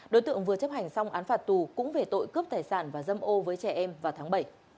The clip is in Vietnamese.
đối tượng vừa chấp hành xong án phạt tù cũng về tội cướp tài sản và dâm ô với trẻ em vào tháng bảy